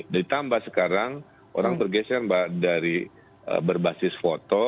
ditambah sekarang orang turgesnya mbak dari berbasis foto